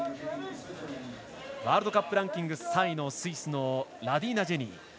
ワールドカップランキング３位のスイスのラディーナ・ジェニー。